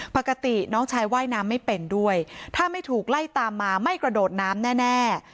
ปกติน้องชายว่ายน้ำไม่เป็นด้วยถ้าไม่ถูกไล่ตามมาไม่กระโดดน้ำแน่